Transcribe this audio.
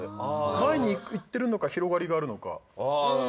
前にいっているのか広がりがあるのか。